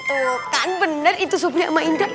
tuh kan bener itu supunya sama indah